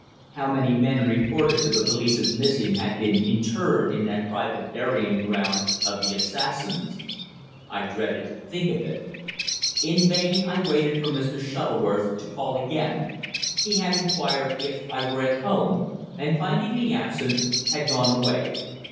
How many men reported to the police as missing had been interred in that private burying ground of the assassins! I dreaded to think of it. In vain I waited for Mr. Shuttleworth to call again. He had inquired if I were at home, and, finding me absent, had gone away.